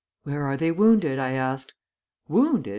'Where are they wounded?' I asked. 'Wounded!